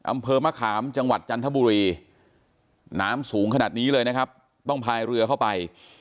อำเภอมะขามจังหวัดจันทบุรีน้ำสูงขนาดนี้เลยนะครับต้องพายเรือเข้าไป